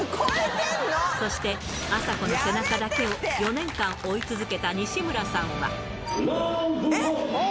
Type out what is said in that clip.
そしてあさこの背中だけを４年間追い続けた西村さんは。